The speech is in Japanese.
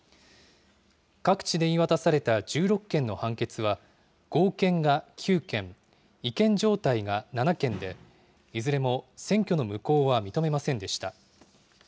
各地で言い渡された１６件の判決は、合憲が９件、違憲状態が７件で、いずれも選挙の無効は認めませんでした。